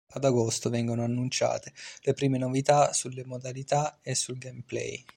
Ad agosto vengono annunciate le prime novità sulle modalità e sul gameplay.